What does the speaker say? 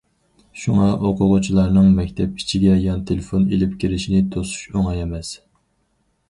شۇڭا، ئوقۇغۇچىلارنىڭ مەكتەپ ئىچىگە يان تېلېفون ئېلىپ كىرىشىنى توسۇش ئوڭاي ئەمەس.